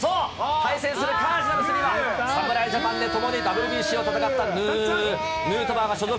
対戦するカージナルスには侍ジャパンで共にＷＢＣを戦ったヌートバーが所属。